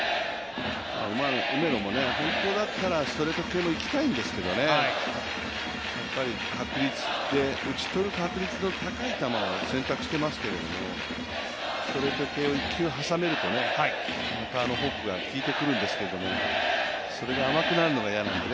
梅野も本当だったらストレート系もいきたいんですけどね、やっぱり打ち取る確率の高い球を選択してますけど、ストレート系を１球挟めるとフォークが効いてくるんですけどそれが甘くなるのが嫌なので。